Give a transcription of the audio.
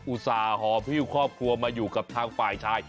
ส่าหอพริ้วครอบครัวมาอยู่กับทางฝ่ายชาย